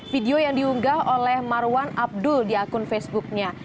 video yang diunggah oleh marwan abdul di akun facebooknya